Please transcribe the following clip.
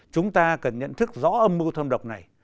chúng ta cần nhận thức rõ âm mưu thâm độc này